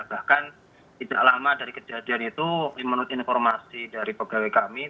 bahkan tidak lama dari kejadian itu menurut informasi dari pegawai kami